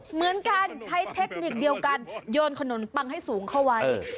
เหมือนกันใช้เทคนิคเดียวกันโยนขนมปังให้สูงเข้าไว้